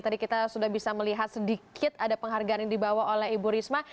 tadi kita sudah bisa melihat sedikit ada penghargaan yang dibawa oleh ibu risma